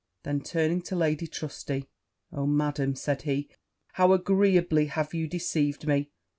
Then, turning to Lady Trusty, 'Oh, Madam!' said he, 'how agreeably have you deceived me!'